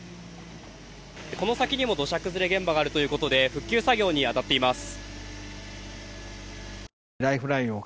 この先にも土砂崩れ現場があるということで復旧作業に当たっています。